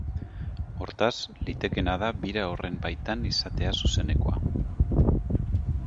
Hortaz, litekeena da bira horren baitan izatea zuzenekoa.